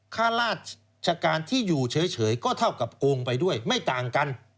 ค่าราชการที่อยู่เฉยก็เท่ากับโกงไปด้วยไม่ต่างกัน